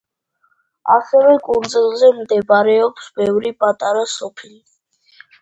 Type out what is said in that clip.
ასევე, კუნძულზე მდებარეობს ბევრი პატარა სოფელი.